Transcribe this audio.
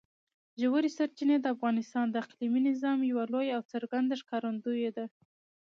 ژورې سرچینې د افغانستان د اقلیمي نظام یوه لویه او څرګنده ښکارندوی ده.